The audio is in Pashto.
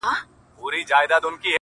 مار يې ولیدی چي پروت وو بېگمانه.!